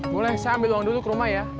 boleh saya ambil uang dulu ke rumah ya